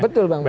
betul bang bram